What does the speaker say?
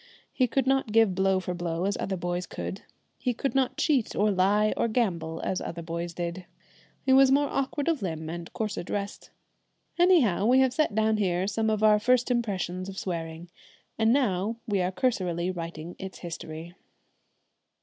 He could not give blow for blow as other boys could; he could not cheat or lie or gamble as other boys did. He was more awkward of limb and coarser dressed. Anyhow, we have set down here some of our first impressions of swearing, and now we are cursorily writing its history.